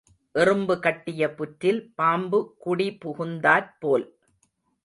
எறும்பு கட்டிய புற்றில் பாம்பு குடிபுகுந்தாற் போல்.